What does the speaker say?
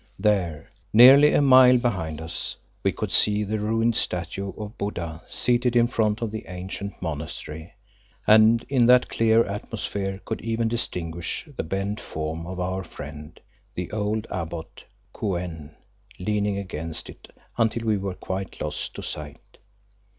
There, nearly a mile behind us, we could see the ruined statue of Buddha seated in front of the ancient monastery, and in that clear atmosphere could even distinguish the bent form of our friend, the old abbot, Kou en, leaning against it until we were quite lost to sight.